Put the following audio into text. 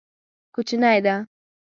کوچنی ده.